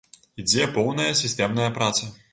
Ідзе поўная сістэмная праца.